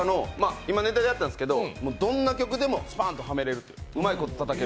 今、ネタでやったんですけどどんな曲でもスパンとはめれるうまいことたたける。